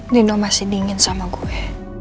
nino masih dingin sama gue